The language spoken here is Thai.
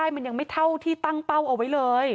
มันยังไม่เท่าที่ตั้งเป้าเอาไว้เลย